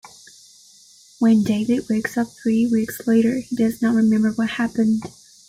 When David wakes up three weeks later, he does not remember what happened.